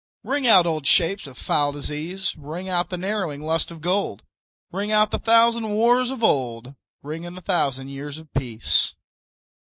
Ring out old shapes of foul disease, Ring out the narrowing lust of gold; Ring out the thousand wars of old, Ring in the thousand years of peace.